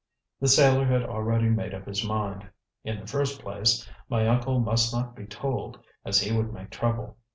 The sailor had already made up his mind. "In the first place, my uncle must not be told, as he would make trouble.